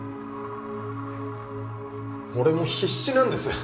俺も必死なんです。